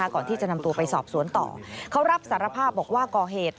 ก่อนที่จะนำตัวไปสอบสวนต่อเขารับสารภาพบอกว่าก่อเหตุ